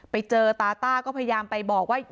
ไปเจอตาต้าก็พยายามไปบอกว่า